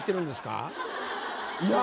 いや。